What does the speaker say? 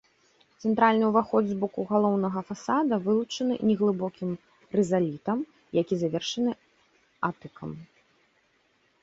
Цэнтральны ўваход з боку галоўнага фасада вылучаны неглыбокім рызалітам, які завершаны атыкам.